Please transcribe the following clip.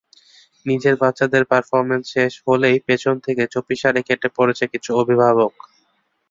নিজের বাচ্চাদের পারফরমেন্স শেষ হলেই পেছন থেকে চুপিসারে কেটে পড়ছে কিছু অভিভাবক।